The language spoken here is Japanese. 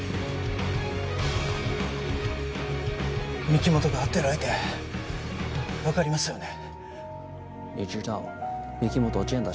御木本が会ってる相手分かりますよね？